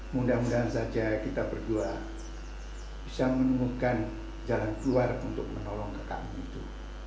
mudah mudahan saja kita berdua bisa menemukan jalan keluar untuk menolong ke kami itu